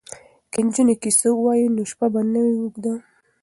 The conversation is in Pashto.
که نجونې کیسه ووايي نو شپه به نه وي اوږده.